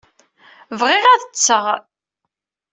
Bɣiɣ ad tteɣ